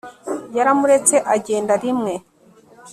yaramuretse agenda rimwe